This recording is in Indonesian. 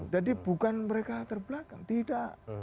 jadi bukan mereka terbelakang tidak